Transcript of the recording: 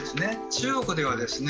中国ではですね